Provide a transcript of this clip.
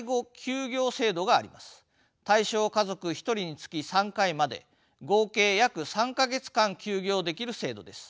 対象家族１人につき３回まで合計約３か月間休業できる制度です。